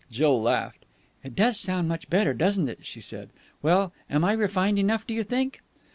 Jill laughed. "It does sound much better, doesn't it!" she said. "Well, am I refined enough, do you think?"